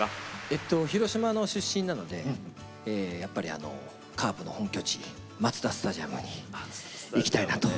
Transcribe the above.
えっと広島の出身なのでやっぱりカープの本拠地マツダスタジアムに行きたいなと。